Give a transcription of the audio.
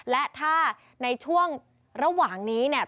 และถ้าในช่วงระหว่างนี้เนี่ย